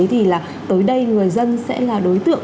thì là tới đây người dân sẽ là đối tượng